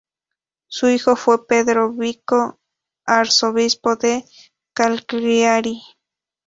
Su hijo fue Pedro Vico, Arzobispo de Cagliari